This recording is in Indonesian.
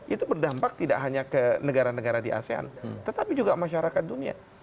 itu berdampak tidak hanya ke negara negara di asean tetapi juga masyarakat dunia